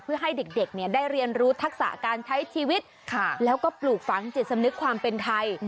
เพื่อให้เด็กได้เรียนรู้ทักษะการใช้ชีวิตแล้วก็ปลูกฝังจิตสำนึกความเป็นไทย